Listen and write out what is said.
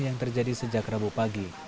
yang terjadi sejak rabu pagi